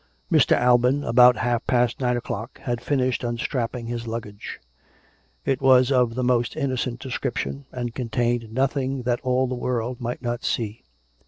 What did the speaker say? Mr. Alban, about half past nine o'clock, had finished unstrapping his luggage. It was of the most innocent de 261 262 COME RACK! COME ROPE! scription, and contained nothing that all the world might not see.